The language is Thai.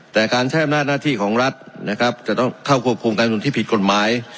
แต่การใช้อำนาจหน้าที่ของรัฐนะครับจะต้องเข้าควบคุมการนุนที่ผิดกฎหมาย